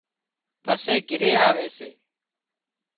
پسي گھري آوي سي